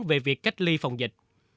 về việc cách ly phòng dịch